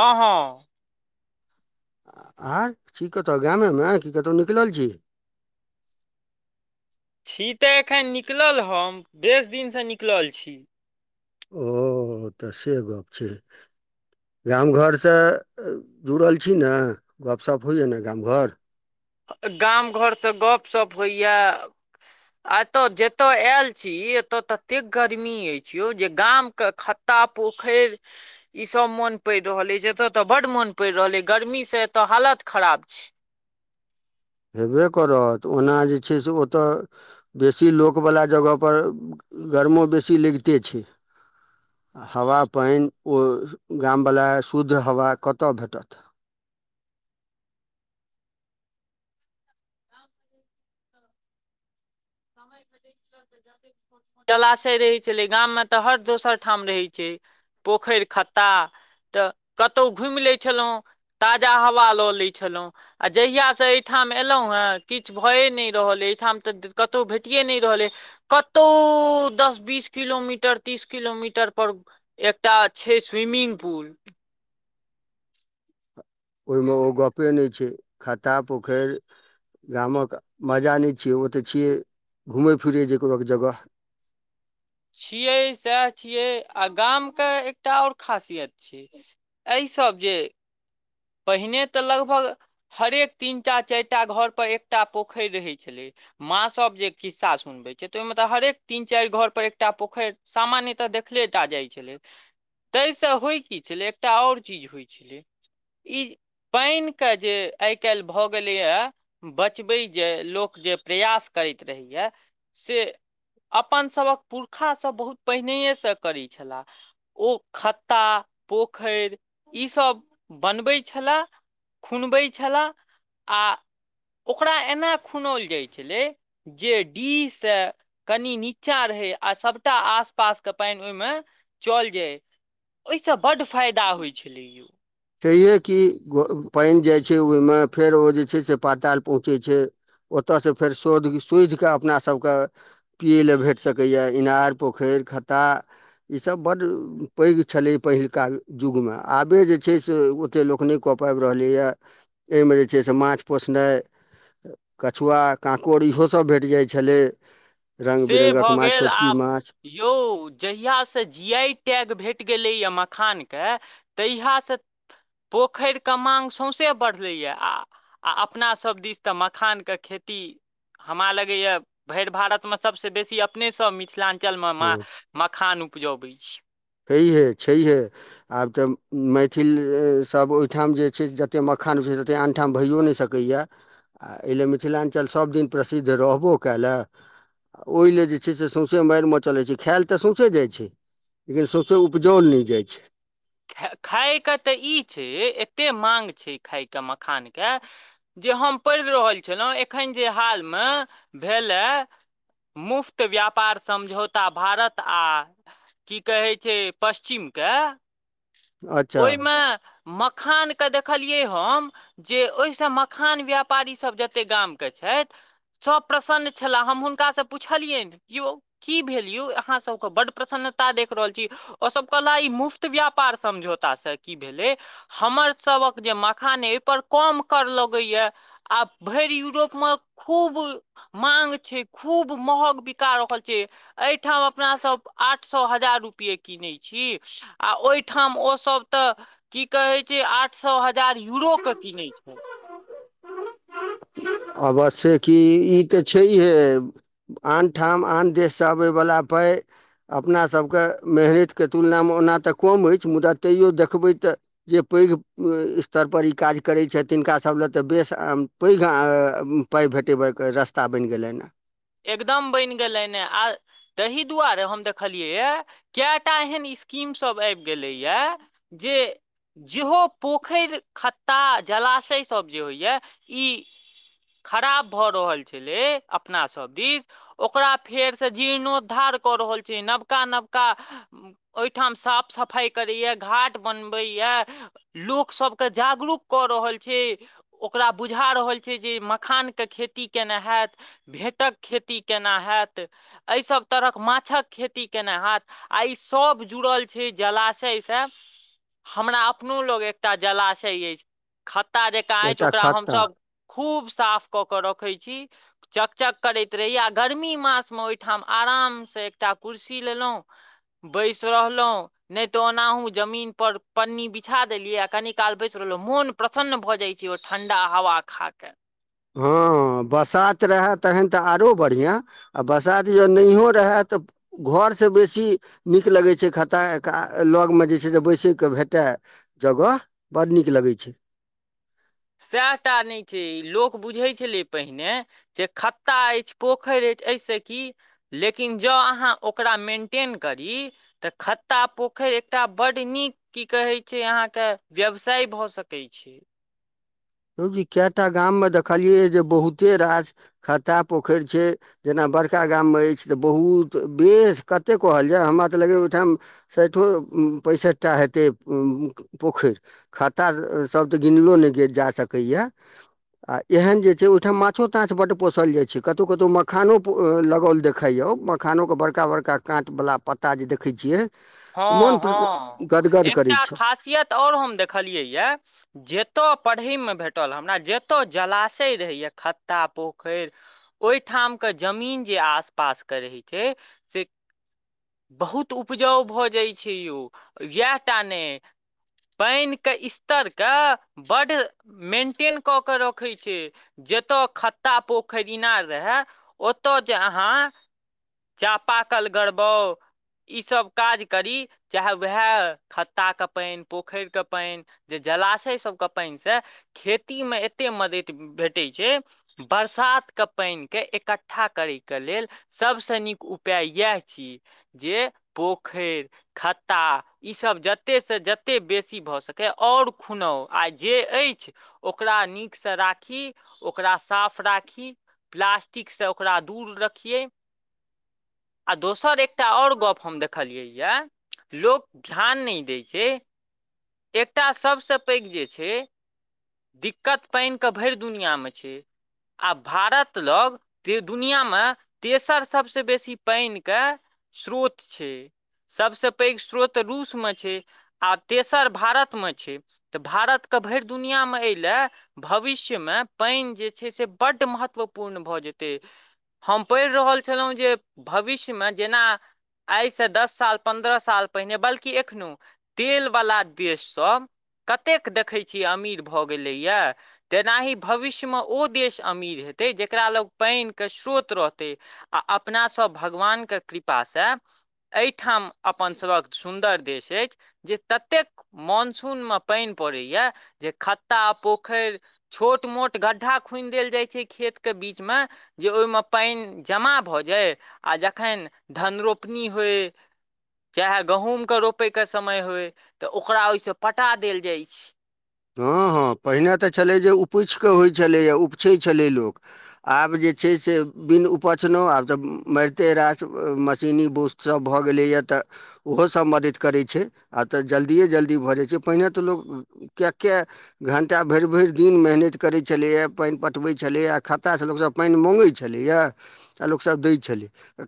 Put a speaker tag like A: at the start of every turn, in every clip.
A: हँ हँ
B: [unintelligible] छी कतौ गामे मे की कतौ निकलल छी
A: छी तऽ एखन निकलल हम एक दिनसँ निकलल छी
B: ओ तऽ से गप छै गाम घरसँ जुड़ल छी ने गप सप होइए ने गाम घर
A: गाम घरसँ गपशप होइए एतय जतय आयल छी एतय ततेक गर्मी अछि यौ जे गामके ख ता पोखैर ई सब मोन पड़ि रहल अछि एतय तऽ बड्ड मोन पड़ि रहल अछि गर्मी से एतय हालत खराब छै
B: हेबे करत ओना जे छै से ओतय बेसी लोकवला जगहपर गरमो बेसी लगिते छै हवा पानि ओ गामवला शुद्ध हवा कत्त भेटत [unintelligible]
A: जलाशय रहै छलै गाममे तऽ हर दोसर ठाम रहै छै पोखर खत्ता तऽ कतो घुमि लैत छलहुँ ताजा हवा लऽ लैत छलहुँ आ जहियासँ एहिठाम एयलहुँ हेँ किछु भए नहि रहलइ एहिठाम तऽ कतो भेटियए नहि रहल कत तो दस बीस किलोमीटर तीस किलोमीटर पर एकटा छै स्विमिंग पुल
B: ओहिमे ओ गप्पे नहि छै खत्ता पोखर गामक मजा नहि छियै ओते छियै घूमे फिरै जेक बक जगह
A: छियै सएह छियै आ गामके एकटा आओर खासियत छियै एहि सब जे पहिने तऽ लगभग हरेक तीन टा चारि टा घर पर एकटा पोखरि रहे छलै माॅं सब जे खिस्सा सुन छै तऽ ओहिमे तऽ हरेक तीन चारि घर पर एकटा पोखरि सामान्य तऽ देखले टा जाइ छलै ताहिसँ होइ की छलै एकटा आओर चीज होइ छलै ई पानिके जे आइ काल्हि भऽ गेलैए बचबै जे लोक जे प्रयास करैत रहैए से अपन सभक पुरखासभ बहुत पहिनएसँ करैत छलाह ओ खत्ता पोखइर ईसब बनबैत छेला खुनबैत छला आ ओकरा एना खुनओल जाइत छलै जे डी सँ कनि नीचाँ रहै आ सभटा आस पासके पानि ओहिमे चलि जाय ओहिसँ बड्ड फायदा होइत छलैय
B: सहिए कि पानि जाइत छै ओहिमे फेर ओ जे छै से पाताल पहुँचै छै ओतयसँ फेर सोध सोधि कऽ अपना सभके पियै ला भेट सकैएया इनार पोखरि खत्ता ई सब बड पैग छलै पहिलका युगमे आबे जे छै से ओतेक लोक नहि कऽ पाबि रहलैए एहिमे जे छै से माछ पोसनाइ कछुआ काँकोड़ इहोसभ भेट जाइ छलै रंग
A: से
B: बिरंगक
A: भऽ
B: माछ
A: गेल
B: छोटकी
A: आब
B: माछ
A: यौ जहियास से जीयाइ टैग भेट गेलै या मखान के तहियासँ पोखरिके माङ्ग सौँसे बढ़लैए आ आ अपनासभ दिस तऽ मखानके खेती हमरा लगैया भरि भारतमे सभसँ बेसी अपनेसभ मिथिलांचल मा मखान उपजबैत छी
B: छैहे छैहे आब तऽ मैथिलसभ ओहिठाम जे छै जतेक मखान छै जतेक आनठाम भइओ नहि सकै किया एहि लेल मिथिलाञ्चल सभदिन प्रसिद्ध रहबो कयलए ओहि ल जे छै से सौँसे मार चलै छै खायइल तऽ सौसे जाइ छै लेकिन सौसे उपजाओल नहि जाइ छै
A: ख खायके तऽ ई छै एतेक माँग छै खायके मखानके जे हम पढ़ि रहल छलहुँ एखन जे हालमे भेलए मुफ्त व्यापार समझौता भारत आ की कहै छै पश्चिमके
B: अच्छा
A: ओहिमे मखानके देखलियै हम जे ओहिसँ मखान व्यापारीसभ जतेक गामके छैथ सभ प्रसन्न छलह हम हुनकासँ पुछलियनि य यौ की भेल यौ यूअहाँसभके बड प्रसन्नता देख रहल छी ओसभ कहलाह ई मुफ्त व्यापार समझौतासँ की भेलै हमर सभक जे मखान अइ ओहिपर कम कर लगैएया आ भैरि यूरोपमे खूब माँग छै खूब महग बिका रहल छै एहिठाम अपनासभ आठ सए हजार रुपैए कीनैत छी आ ओहिठाम ओ सब तऽ की कहे छै आठ सए हजार यूरो के किनै छै
B: अवश्य‌ए कि ई तऽ छैहे आनठाम आन देशसँ अबयवला पइ अपनासभके मेहनतिके तुलनामे ओना तऽ कम अछि मुदा तैओ देखबै तऽ जे पैघ स्तरपर ई काज करैत छथि तिनकासभ लेल तऽ बेसम पैघ अ पाइ भेटेबैके रस्ता बनि गेलनि हँ
A: एकदम बनि गेलै ने आ ताहि दुआरे हम देखलियैए कए टा एहन स्कीमसभ आबि गेलैएया जे जेहो पोखरि खत्ता जलाशयसभ जे होइए ई खराब भऽ रहल छलै अपना सब दिश ओकरा फेर से जीर्णोद्धार कऽ रहल छै नबका नबका ओहिठाम साफ सफाइ करैए घाट बनबैए लोकसभके जागरूक कऽ रहल छै ओकरा बुझा रहल छै जे मखानके खेती केना हत भेँटक खेती केना हे‌एत एहिसभ तरहक माछक खेती केना हेएत आ ई सभ जुड़ल छै जलाशयसँ हमरा अपनो लग एकटा जलाशय अछि खत्ता जकाँ
B: हेँ
A: अछि
B: एकटा
A: ओकरा
B: खत्ता
A: हमसभ खूब साफ कऽ कऽ रखैत छी चकचक करैत रहि आ गर्मी मासमे ओहिठाम आरामसँ एकटा कुर्सी लेलहुँ बैसि रहलहुँ नहि तऽ ओनाहुँ जमीन पर पन्नी बिछा देलियै आ कनि काल बैसि रहलहुँ मोन प्रसन्न भऽ जाइ छै ओ ठण्डा हवा खाके
B: हँ बसात रहए तखन तऽ आरो बढ़िआँ आ बसाात ज नहिओ रहय तऽ घरसँ बेसी नीक लगै छै खत्ता का लगमे जे छै से बैसयके भेटा जगह बड नीक लगय छै
A: सएह टा नहि छै लोक बुझैत छलै पहिने जे खत्ता अछि पोखरि अछि एहिसे की लेकिन जँ अहाँ ओकरा मेन्टेन करी तऽ खत्ता पोखरि एकटा बड नीक की कहै छै अहाँके व्यवसाय भऽ सकैत छै
B: धौ जी केटा गाम मे देखलियै जे बहुते रास खत्ता पोखरि छै जेना बड़का गाममे अछि तऽ बहुत बेस कतेक कहल जाय हमरा तऽ लगैए ओहिठाम साइठो पैंसठिटा हेतै उ पोखरि खतासभ तऽ गिनलो नहि गे जा सकैएया आ एहन जे छै ओहिठाम माछो ताछ बड्ड पोसल जाइत छै कतहु कतहु मखानो लगओल देखाइए मखानो के बड़का बड़का काँट बला पत्ता जे देखै छियै
A: हँ
B: मोन
A: हँ
B: गदगद
A: एकटा
B: करै छै
A: खासियत आओर हम देखलियै यए जतय पढ़हि मे भेटल हमरा जतय जलाशय रहैए खत्ता पोखरि ओहिठाम के जमीन जे आस पास के रहय छै से बहुत उपजाउ भऽ जाइत छै यौ इएह टा नै पानि क स्तर क बड मेंटेन कऽ क रखै छै जत‌ए खत्ता पोखरि इनार रहए ओत‌ए जे अहाँ चापाकल गड़बौ ईसभ काज करी चाहे उएह खत्ताके पानि पोखरिके पानि जे जलाशय सभके पानिसँ खेतीमे एतेक मदति भेटैत छै बरसातके पानिके एकठ्ठा करैके लेल सभसँ नीक उपाय इएह छी जे पोखरि खत्ता ईसभ जतेकसँ जतेक बेसी भऽ सकै आओर खुनाउ आ जे अछि ओकरा नीकसँ राखी ओकरा साफ राखी प्लास्टिकस ओकरा दूर रखियै आ दोसर एकटा आओर गप हम देखलियैया लोक ध्यान नहि दै छै एकटा सभसँ पैघ जे छै दिक्कत पानिके भरि दुनिआँमे छै आ भारत लग ते दुनिया में तेसर सभसँ बेसी पानि क श्रोत छै सभसँ पैघ स्रोत रूसमे छै आ तेसर भारतम छै तऽ भारतके भरि दुनिआँमे अयलए भविष्यमे पानि जे छै से बड महत्वपूर्ण भऽ जेतै हम पढ़ि रहल छलहुँ जे भविष्यमे जेना आइस दस साल पन्द्रह साल पहिने बल्कि एखनोहु तेलवला देशसभ कतेक देखै छियै अमीर भऽ गेलैए तेनाहि भविष्यमे ओ देश अमीर हेतय जकरा लग पानिके श्रोत रहतय आ अपनासभ भगवानके कृपासँ एहिठाम अपनसभक सुन्दर देश अछि जे ततेक माॅनसूनमे पानि पड़ैए जे खत्ता पोखरि छोट मोट गड्ढा खुनि देल जाइ छै खेत के बीच मे जे ओहिमे पानि जमा भऽ जाय आ जखन धन रोपनी होय चाहे गहूँमके रोपैके समय होइ तऽ ओकरा ओहिसँ पटा देल जाइ छै
B: हूॅं हूॅं पहिने तऽ छलै जे उपछि कऽ होइ छलैए उपछै छलै लोक आब जे छै से बिन उपछनहुँ आब तऽ मारिते रास मशीनी बूस सब भऽ गेलैया तऽ ओहोसभ मदति करै छैय आ तऽ जल्दिए जल्दी भऽ जाइ छैय पहिने तऽ लोक कए कए घण्टा भरि भरि दिन मेहनति करैत छलैया पानि पटबैत छलैया खता सबसं पानि मगै छलैया आ लोकसभ दै छलै।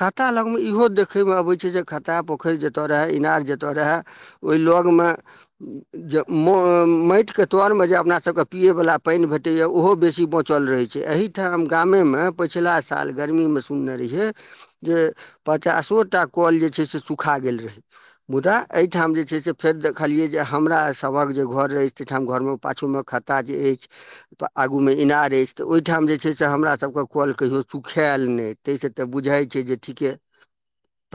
B: खाता लगमे इहो देखयमे अबैत छैय जे खाता पोखरि जतय रहय इनार जतय रहय ओहि लग मे मो माटिके तरमे जे अपना सबके पियै वला पानि भेटैया ओहो बेसी बचल रहै छैय एहि ठाम गामे में पिछला साल गर्मीमे सुनने रहियै जे पचासो टा कल जे छैय से सुखा गेल रहै। मुदा एहिठाम जे छैय से फेर देखलियै जे हमरा सबहक जे घर रहै ताहि ठाम घरमें पाछूमें खता जे अछि आ आगू मे इनार अछि तऽ ओहिठाम जे छैय से हमरा सबके कल कहियो सुखायल नहि। ताहिसँ तऽ बुझाइत छैय जे ठीके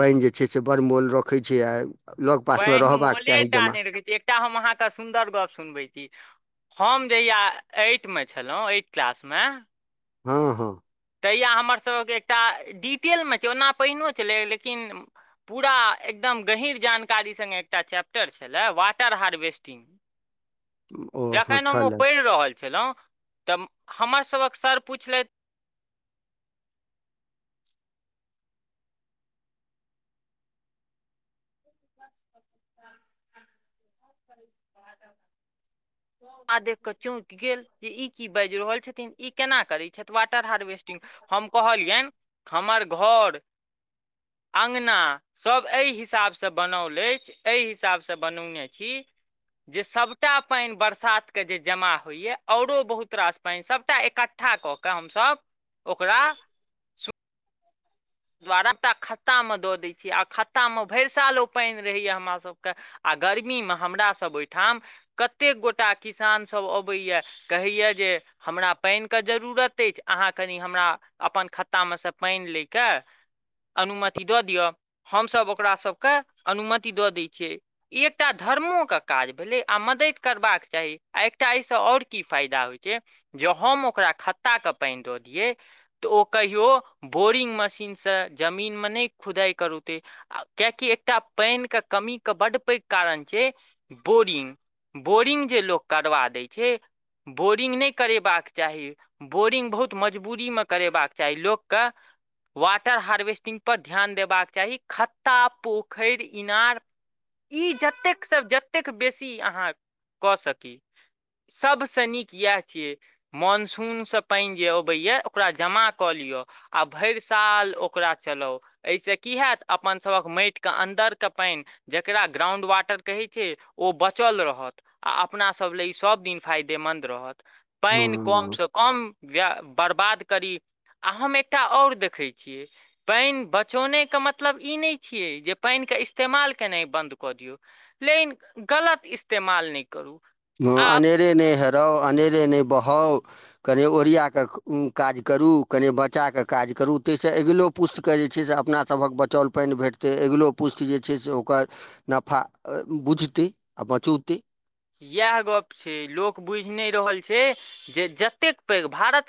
B: पानि जे छैय से बड़ मोल रखैत छैय आ लग पास मे
A: पानि
B: रहबाक
A: मोले
B: चाही
A: टा
B: जमा।
A: नहि रखै छै एकटा हम अहाँके सुन्दर गप्प सुनबै छी। हम जहिया ऐटमे छलहुँ एट क्लासमे
B: हँ
A: तहिआ हमरसभक एकटा डिटेलमे छैय ओना पहिनोहो छलै लेकिन पूरा एकदम गहीँर जानकारी सङ्गे एकटा चैप्टर छलै वाटर हार्वेस्टिंग।
B: ओ
A: जखन हम ओ
B: छलै
A: पढ़ि रहल छलहुँ तऽ हमर सभक सर पुछलथि
B: [unintelligible] ब
A: [unintelligible] ई केना करै छथि वाटर हार्वेस्टिंग। हम कहलियनि हमर घर अँगना सभ एहि हिसाबसँ बनाओल अछि एहि हिसाबसँ बनौने छी जे सबटा पानि वर्षा त के जे जमा होय या आओरो बहुत रास पानि सभटा एकटठ्ठा कऽ कऽ हमसभ ओकरा दुवारा एकटा खतामे दऽ दैत छीयै आ खत्तामे भरि साल ओ पानि रहैया हमर सभके आ गर्मीमे हमरासभ ओहिठाम कतेक गोटा किसानसभ अबैया कहैया जे हमरा पानिके जरूरत अछि अहाँ कनि हमरा अपन खत्ता मे से पानि लै के अनुमति दऽ दिअ हमसभ ओकरा सबके अनुमति दऽ दै छियै। ई एकटा धर्मोके काज भेलै। आ मदद करबाक चाही आ एकटा एहिसँ आऔर की फायदा होइ छैय। ज हम ओकरा खत्ता के पानि दऽ दियै तऽ ओ कहियो बोरिंग मे मशीन जमीन म नहि खुदाइ करौतै। आ कियाकि एकटा पानिके कमीके बड पैघ कारण छैय बोरिंग। बोरिंग जे लोक करवा दैत छैय बोरिंग नहि करेबाक चाही। बोरिंग बहुत मजबूरीमे करेबाक चाही लोककेँ वाटर हार्वेस्टिंग पर ध्यान देबाक चाही खत्ता पोखरि इनार ई जतेक स जतेक बेसी अहाँ कऽ सकी। सभसँ नीक यैह छियै। मॉनसूनसँ पानि जे अबैएा ओकरा जमा कऽ लियअ आ भर साल ओकरा चलाउ एहिसँ की होत अपन सभक माटिके अन्दर के पानि जकरा ग्राउंड वाटर कहैत छै ओ बचल रहत आ अपना सभ लेल ई सभदिन फायदेमन्द रहत
B: हँ
A: पानि कमसँ कम बर्बाद करी आ हम एकटा ओर देख देखै छियै पानि बचौनेके मतलब ई नय छियै जे पानिके इस्तेमाल केनाइ बन्द कऽ दियौ लेकिन गलत इस्तेमाल नय करू
B: हँ
A: आब
B: अनेरे नय हेराउ अनेरे नहि बहाउ कने ओरिया कऽ काज करू कने बचा कऽ काज करू ताहिसँ अगिलो पुष्तके जे छै से अपनासभक बचाल पानि भेटतै अगिलो पुष्ट जे छै से ओकर नफा बुझते आ बचौतै
A: इएह गप छै लोक बुझि नय रहल छै जे जतेक पैघ भारत